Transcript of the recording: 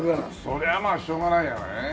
そりゃあまあしょうがないよね。